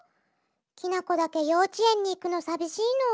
きなこだけようちえんにいくのさびしいの。